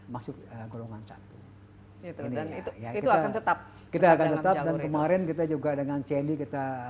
yang satu itu dan itu itu akan tetap kita akan tetap dan kemarin kita juga dengan cnd kita